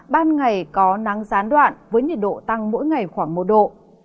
ban ngày có nắng gián đoạn với nhiệt độ tăng mỗi ngày khoảng một độ